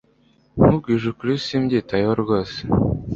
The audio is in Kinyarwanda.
Nkubwije ukuri simbyitayeho rwose